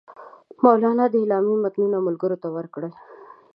مولنا د اعلامیې متنونه ملګرو ته ورکړل.